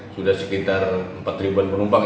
sudah sekitar empat ribuan penumpang